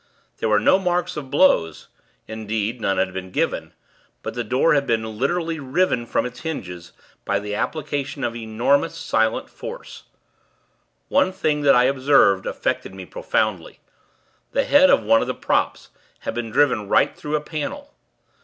There were no marks of blows indeed, none had been given but the door had been literally riven from its hinges, by the application of enormous, silent force. One thing that I observed affected me profoundly the head of one of the props had been driven right through a panel.